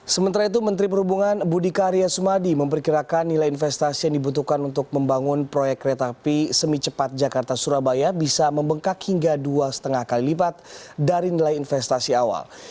sementara itu menteri perhubungan budi karya sumadi memperkirakan nilai investasi yang dibutuhkan untuk membangun proyek kereta api semi cepat jakarta surabaya bisa membengkak hingga dua lima kali lipat dari nilai investasi awal